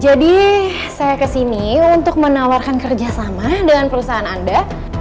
jadi saya kesini untuk menawarkan kerja sama dengan perusahaan anda